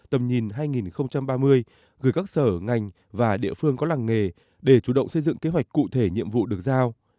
tầm nhìn hai nghìn ba mươi gửi các sở ngành và địa phương có làng nghề để chủ động xây dựng kế hoạch cụ thể nhiệm vụ được giao